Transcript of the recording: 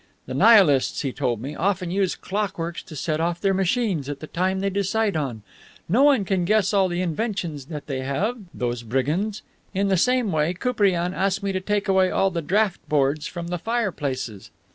The Nihilists, he told me, often use clockworks to set off their machines at the time they decide on. No one can guess all the inventions that they have, those brigands. In the same way, Koupriane advised me to take away all the draught boards from the fireplaces.